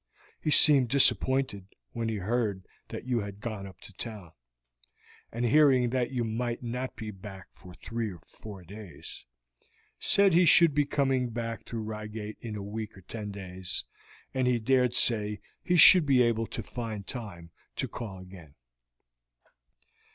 He seemed disappointed when he heard that you had gone up to town, and hearing that you might not be back for three or four days, said he should be coming back through Reigate in a week or ten days, and he dared say he should be able to find time to call again.